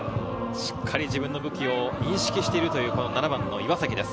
しっかり自分の武器を認識している岩崎です。